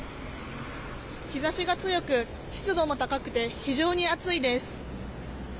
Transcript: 日差しが強く湿度も高くて非常に暑いです。